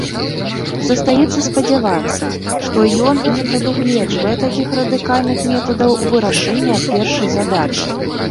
Застаецца спадзявацца, што ён не прадугледжвае такіх радыкальных метадаў вырашэння першай задачы.